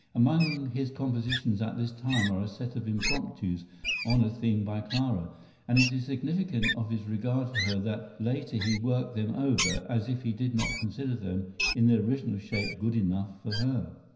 Among his compositions at this time are a set of impromptus on a theme by Clara, and it is significant of his regard for her that later he worked them over, as if he did not consider them in their original shape good enough for her.